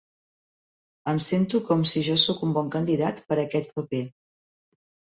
Em sento com si jo sóc un bon candidat per a aquest paper.